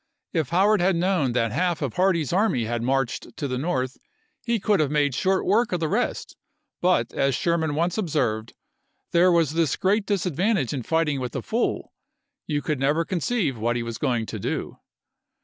If Howard had known that half of Hardee's army had marched to the north he could have made short work of the rest; but, as Sherman once observed, there was this great dis advantage in fighting with a fool, you could never conceive what he was going to do.